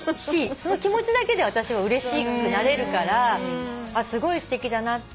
その気持ちだけで私はうれしくなれるからすごいすてきだなって。